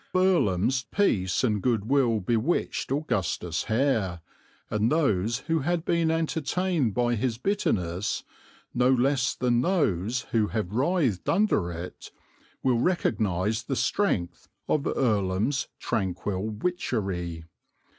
Earlham's peace and goodwill bewitched Augustus Hare, and those who had been entertained by his bitterness, no less than those who have writhed under it, will recognize the strength of Earlham's tranquil witchery.